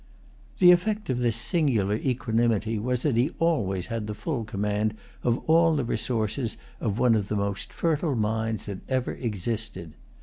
The effect of this singular equanimity was that he always had the full command of all the resources of one of the most fertile minds that ever existed.